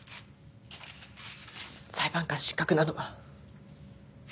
裁判官失格なのは。